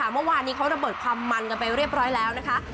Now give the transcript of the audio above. เมื่อวานนี้เขาระเบิดความมันกันไปเรียบร้อยแล้วนะคะ